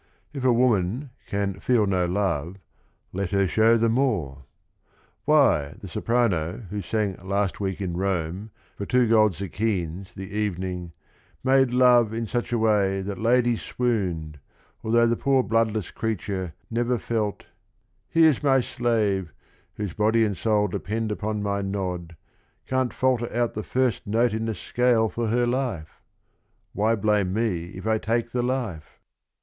If a woman can " feel no love, let her show the more." Why, the soprano who sang last week in Rome for " two gold zecchines the evening," made love in such a way that ladies swooned, although "the poor bloodless creature never felt": "Here 's my slave Whose body and soul depend upon my nod Can't falter out the first note in the scale For her life I Why blame me if I take the life?